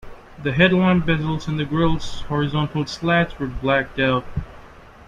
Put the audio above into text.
The headlamp bezels and the grille's horizontal slats were blacked-out.